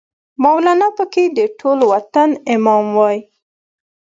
مولانا پکې د ټول وطن امام وای